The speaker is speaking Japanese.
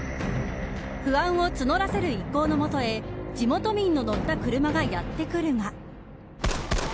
不安を募らせる一行のもとへ地元民の乗った車がやってくるが。